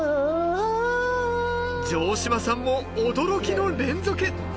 城島さんも驚きの連続。